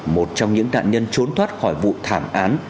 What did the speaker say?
một trong những nạn nhân trốn thoát khỏi vụ thảm án